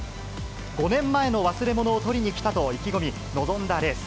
５年前の忘れ物を取りに来たと意気込み、臨んだレース。